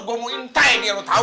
gue mau intai biar lo tau